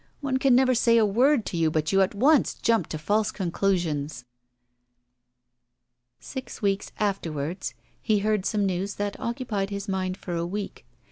'One can never say a word to you but you at once jump to false conclusions.' Six weeks afterwards he heard some news that occupied his mind for a week.